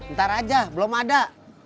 ntar aja belum ada